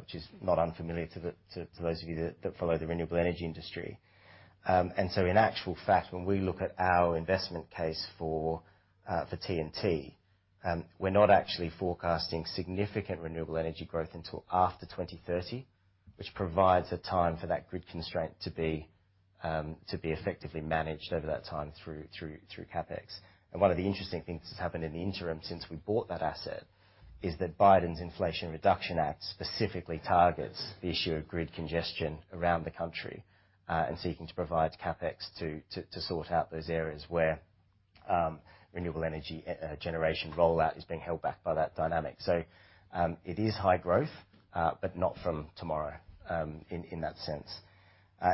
which is not unfamiliar to those of you that follow the renewable energy industry. In actual fact, when we look at our investment case for TNT, we're not actually forecasting significant renewable energy growth until after 2030, which provides a time for that grid constraint to be effectively managed over that time through CapEx. One of the interesting things that's happened in the interim since we bought that asset is that Biden's Inflation Reduction Act specifically targets the issue of grid congestion around the country, and seeking to provide CapEx to sort out those areas where renewable energy generation rollout is being held back by that dynamic. It is high growth, but not from tomorrow, in that sense.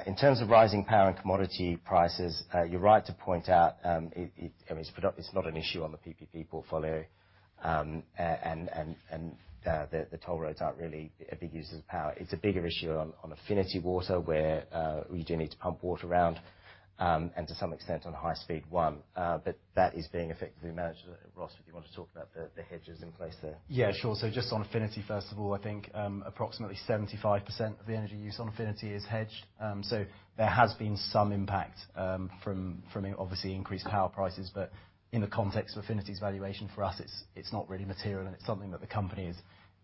In terms of rising power and commodity prices, you're right to point out, I mean, it's not an issue on the PPP portfolio. The toll roads aren't really a big user of power. It's a bigger issue on Affinity Water, where we do need to pump water around, and to some extent on High Speed 1. That is being effectively managed. Ross, if you want to talk about the hedges in place there. Just on Affinity, first of all, I think, approximately 75% of the energy use on Affinity is hedged. There has been some impact from obviously increased power prices, in the context of Affinity's valuation, for us, it's not really material, and it's something that the company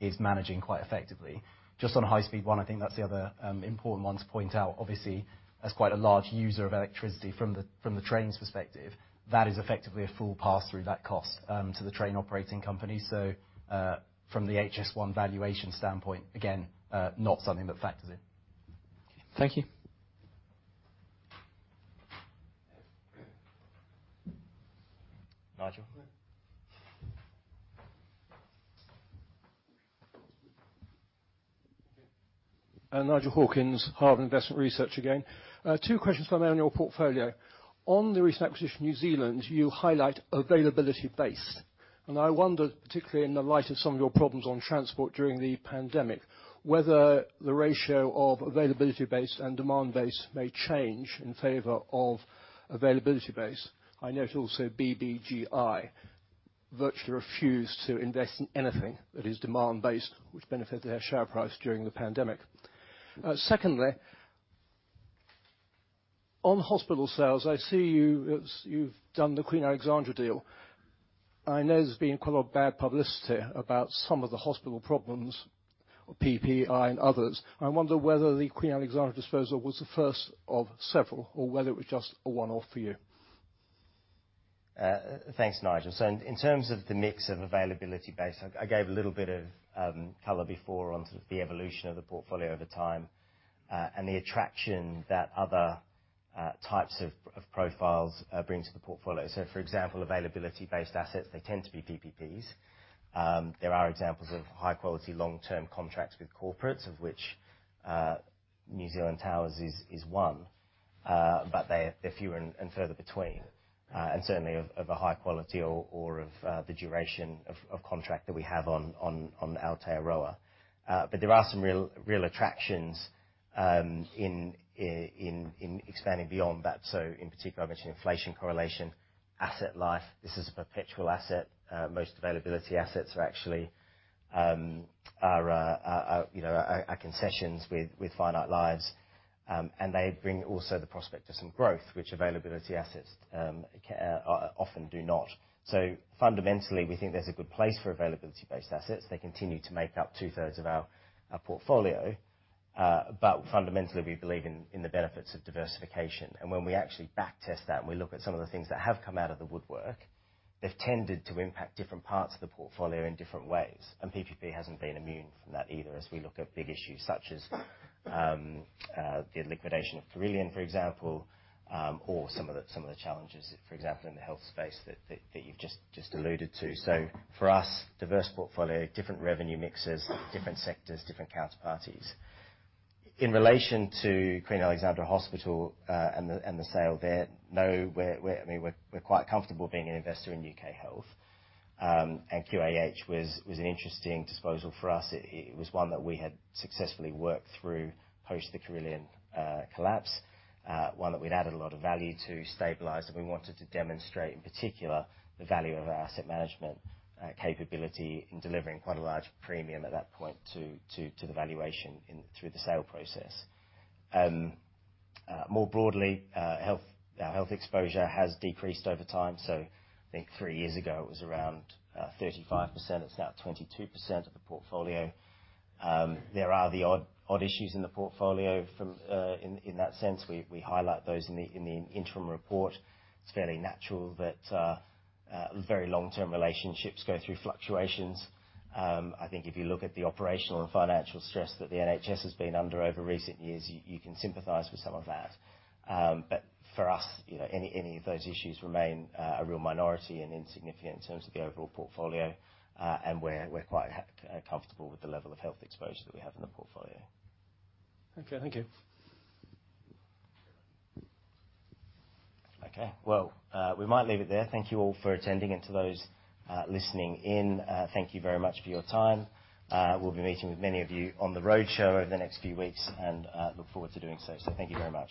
is managing quite effectively. Just on High Speed 1, I think that's the other important one to point out. Obviously, as quite a large user of electricity from the trains perspective, that is effectively a full pass through that cost to the train operating company. From the HS1 valuation standpoint, again, not something that factors in. Thank you. Nigel? Nigel Hawkins, Hardman Investment Research again. Two questions for me on your portfolio. On the recent acquisition New Zealand, you highlight availability base, and I wondered, particularly in the light of some of your problems on transport during the pandemic, whether the ratio of availability base and demand base may change in favor of availability base. I know it's also BBGI virtually refused to invest in anything that is demand-based, which benefited their share price during the pandemic. Secondly, on hospital sales, I see you've done the Queen Alexandra deal. I know there's been quite a lot of bad publicity about some of the hospital problems, PFI and others. I wonder whether the Queen Alexandra disposal was the first of several or whether it was just a one-off for you? Thanks, Nigel. In terms of the mix of availability base, I gave a little bit of color before onto the evolution of the portfolio over time, and the attraction that other types of profiles bring to the portfolio. For example, availability based assets, they tend to be PPPs. There are examples of high quality long-term contracts with corporates, of which New Zealand Towers is one. But they're fewer and further between, and certainly of a high quality or of the duration of contract that we have on Aotearoa. But there are some real attractions in expanding beyond that. In particular, I mentioned inflation correlation, asset life. This is a perpetual asset. Most availability assets are actually, you know, are concessions with finite lives. They bring also the prospect of some growth, which availability assets often do not. Fundamentally, we think there's a good place for availability-based assets. They continue to make up 2/3 of our portfolio. Fundamentally, we believe in the benefits of diversification. When we actually back test that, and we look at some of the things that have come out of the woodwork, they've tended to impact different parts of the portfolio in different ways. PPP hasn't been immune from that either as we look at big issues such as the liquidation of Carillion, for example, or some of the challenges, for example, in the health space that you've just alluded to. For us, diverse portfolio, different revenue mixes, different sectors, different counterparties. In relation to Queen Alexandra Hospital and the sale there. No, I mean, we're quite comfortable being an investor in U.K. Health. QAH was an interesting disposal for us. It was one that we had successfully worked through post the Carillion collapse. One that we'd added a lot of value to stabilize, and we wanted to demonstrate, in particular, the value of our asset management capability in delivering quite a large premium at that point to the valuation in through the sale process. More broadly, health exposure has decreased over time. I think three years ago it was around 35%. It's now 22% of the portfolio. There are the odd issues in the portfolio from in that sense. We highlight those in the interim report. It's fairly natural that very long-term relationships go through fluctuations. I think if you look at the operational and financial stress that the NHS has been under over recent years, you can sympathize with some of that. For us, you know, any of those issues remain a real minority and insignificant in terms of the overall portfolio. We're quite comfortable with the level of health exposure that we have in the portfolio. Okay, thank you. Okay. Well, we might leave it there. Thank you all for attending, and to those listening in, thank you very much for your time. We'll be meeting with many of you on the road show over the next few weeks, and look forward to doing so. Thank you very much.